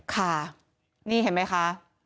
ค่ะนี่เห็นไหมคะ